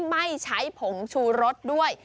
ไม่ใช้ผงชูรสด้วย